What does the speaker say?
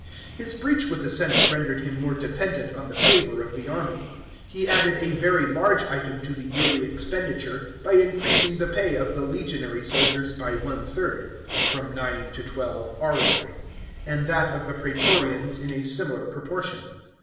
His breach with the senate rendered him more dependent on the favour of the army. He added a very large item to the yearly expenditure by increasing the pay of the legionary soldiers by one third (from nine to twelve aurei), and that of the praetorians hi a similar proportion.